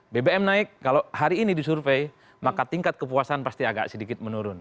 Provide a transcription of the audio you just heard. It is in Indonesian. bbm naik kalau hari ini disurvey maka tingkat kepuasan pasti agak sedikit menurun